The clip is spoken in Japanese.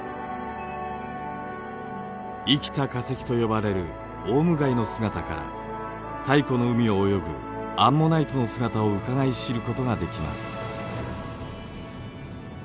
生きた化石と呼ばれるオウムガイの姿から太古の海を泳ぐアンモナイトの姿をうかがい知ることができます。